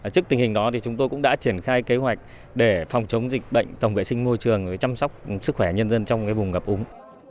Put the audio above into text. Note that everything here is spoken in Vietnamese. trước tình hình đó chúng tôi cũng đã triển khai kế hoạch để phòng chống dịch bệnh tổng vệ sinh môi trường chăm sóc sức khỏe nhân dân trong vùng ngập úng